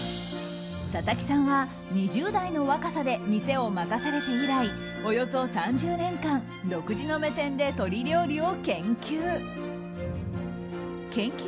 佐々木さんは２０代の若さで店を任されて以来およそ３０年間独自の目線で鶏料理を研究。